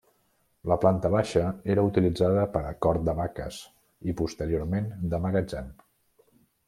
La planta baixa era utilitzada per a cort de vaques i posteriorment de magatzem.